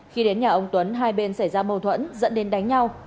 khi đến nhà ông tuấn hai bên xảy ra mâu thuẫn dẫn đến đánh nhau